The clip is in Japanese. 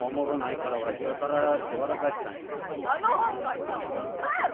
あの台本書いたんはあんたやろ！